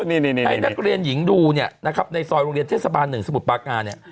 นี่ให้นักเรียนหญิงดูเนี่ยนะครับในซอยโรงเรียนเทศบาล๑สมุทรปาการเนี่ย